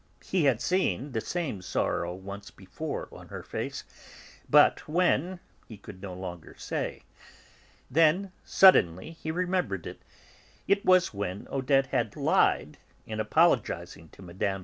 He had seen the same sorrow once before on her face, but when, he could no longer say. Then, suddenly, he remembered it; it was when Odette had lied, in apologising to Mme.